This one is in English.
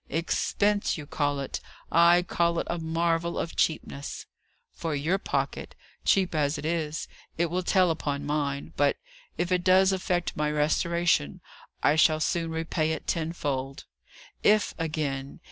"Expense, you call it! I call it a marvel of cheapness." "For your pocket. Cheap as it is, it will tell upon mine: but, if it does effect my restoration, I shall soon repay it tenfold." "'If,' again!